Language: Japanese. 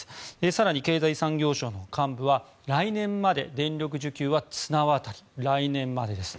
更に経済産業省の幹部は来年まで電力需給は綱渡り来年までです。